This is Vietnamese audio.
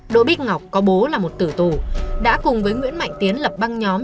đỗ bích ngọc có bố là một tử tù đã cùng với nguyễn mạnh tiến lập băng nhóm